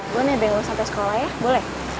gue nih bengong sampe sekolah ya boleh